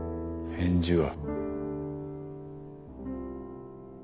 返事は。